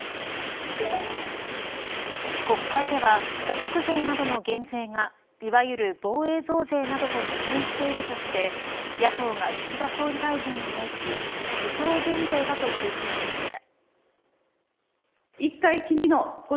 国会では所得税などの減税がいわゆる防衛増税などと矛盾しているとして野党が岸田総理大臣に対し偽装減税だと追及しました。